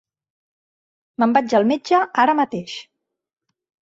Me'n vaig al metge ara mateix.